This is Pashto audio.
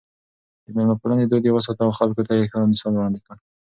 د مېلمه پالنې دود يې وساته او خلکو ته يې ښه مثال وړاندې کړ.